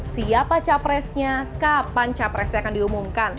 siapa capresnya kapan capresnya akan diumumkan